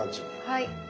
はい。